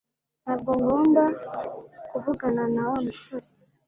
Ntabwo ngomba kuvugana na Wa musore